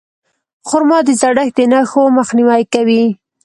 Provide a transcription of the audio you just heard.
خرما د زړښت د نښو مخنیوی کوي.